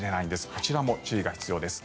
こちらも注意が必要です。